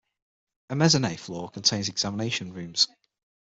A mezzanine floor contains examination rooms.